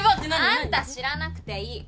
あんた知らなくていい！